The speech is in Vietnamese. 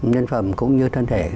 nhân phẩm cũng như thân thể